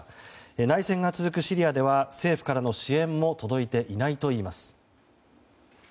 内戦が続くシリアでは政府からの支援も届いていないといいます。